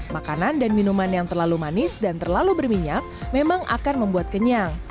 makanan dan minuman yang terlalu manis dan terlalu berminyak memang akan membuat kenyang